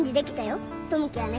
友樹はね